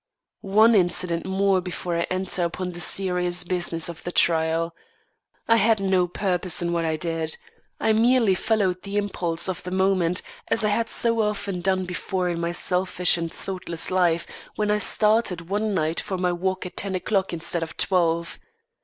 One incident more before I enter upon the serious business of the trial. I had no purpose in what I did. I merely followed the impulse of the moment, as I had so often done before in my selfish and thoughtless life, when I started one night for my walk at ten o'clock instead of twelve.